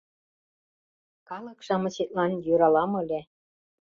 Калык-шамычетлан йӧралам ыле.